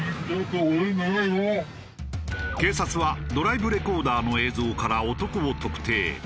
警察はドライブレコーダーの映像から男を特定。